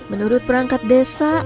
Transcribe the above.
menurut perangkat desa